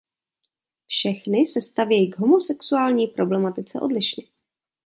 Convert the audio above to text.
Všechny se stavějí k homosexuální problematice odlišně.